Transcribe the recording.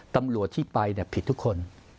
ตำรวจที่ไปผิดทุกคน